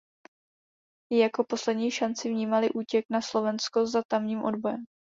Jako poslední šanci vnímali útěk na Slovensko za tamním odbojem.